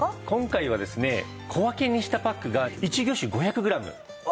今回はですね小分けにしたパックが１魚種５００グラム。